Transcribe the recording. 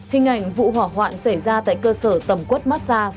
hình ảnh vụ hỏa hoạn xảy ra tại cơ sở tầm quất massage